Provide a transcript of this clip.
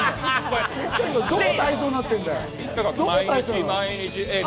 どこが体操になってるんだよ！